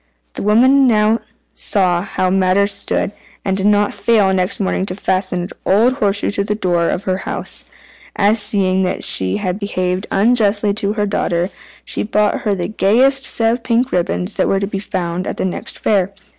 The woman now saw how matters stood, and did not fail next morning to fasten an old horseshoe to the door of her house. And seeing that she had behaved unjustly to her daughter, she bought her the gayest set of pink ribbons that were to be found at the next fair.